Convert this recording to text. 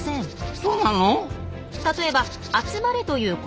そうなの？